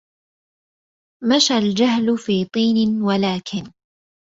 مشى الجهل في طين ولكن